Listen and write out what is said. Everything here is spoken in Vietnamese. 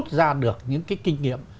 rút ra được những cái kinh nghiệm